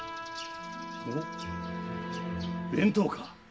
おお弁当か？